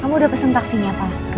kamu udah pesen taksinya pak